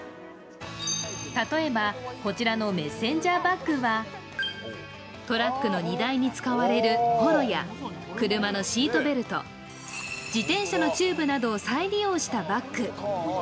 例えばこちらのメッセンジャーバッグは、トラックの荷台に使われるほろや車のシートベルト、自転車のチューブなどを再利用したバッグ。